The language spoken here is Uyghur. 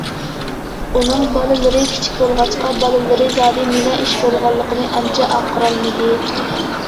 ئۇنىڭ بالىلىرى كىچىك بولغاچقا، بالىلىرى زادى نېمە ئىش بولغانلىقىنى ئانچە ئاڭقىرالمىدى.